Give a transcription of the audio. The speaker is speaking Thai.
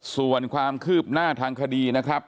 ส่วนความคืบหน้าทางคดีนะครับ